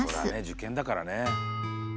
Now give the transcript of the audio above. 受験だからね。